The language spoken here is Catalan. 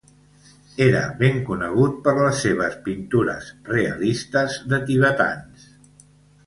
Era ben conegut per les seves pintures realistes de tibetans.